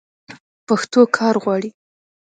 پښتو کار غواړي.